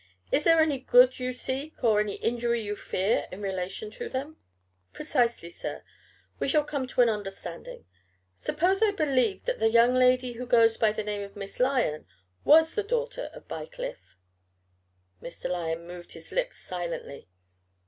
Is there any good you seek or any injury you fear in relation to them?" "Precisely, sir. We shall come to an understanding. Suppose I believed that the young lady who goes by the name of Miss Lyon was the daughter of Bycliffe?" Mr. Lyon moved his lips silently.